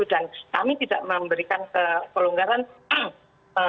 dan kami tidak memberikan kepelunggaran besarannya